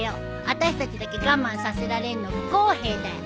あたしたちだけ我慢させられんの不公平だよ。